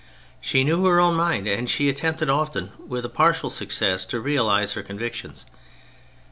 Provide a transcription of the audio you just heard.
She knew her own mind, and she attempted, often with a partial success, to realise her convic tions.